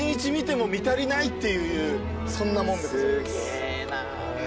すげえな。